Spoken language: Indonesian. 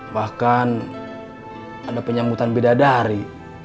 bahkan ada penyambutan beda dari